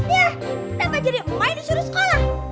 iya ae kan jadi emay disuruh sekolah